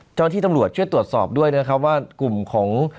เจ้าหน้าที่ตำรวจช่วยตรวจสอบด้วยนะครับว่ากลุ่มของ